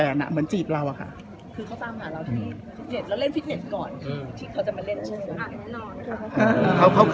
คือเขาตามหาเราที่ฟิตเนทแล้วเล่นฟิตเนทก่อนที่เขาจะมาเล่น